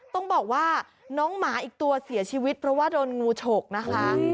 ต้องบอกว่าน้องหมาอีกตัวเสียชีวิตเพราะว่าโดนงูฉกนะคะ